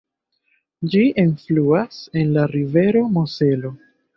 Ĝi enfluas en la rivero Mozelo.